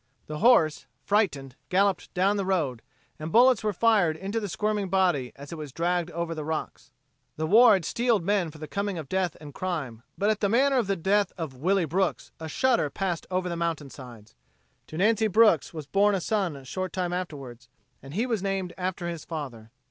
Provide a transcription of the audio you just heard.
The horse, frightened, galloped down the road, and bullets were fired into the squirming body as it was dragged over the rocks. The war had steeled men for the coming of death and crime, but at the manner of the death of "Willie" Brooks a shudder passed over the mountainsides. To Nancy Brooks was born a son a short time afterward, and he was named after his father.